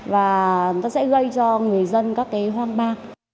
và nó sẽ gây cho người dân các cái hoang mang